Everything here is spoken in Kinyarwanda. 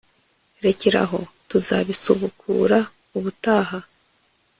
rekeraho tuzabisubukura ubutaha